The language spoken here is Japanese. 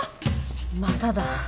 まただ。